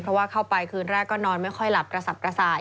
เพราะว่าเข้าไปคืนแรกก็นอนไม่ค่อยหลับกระสับกระส่าย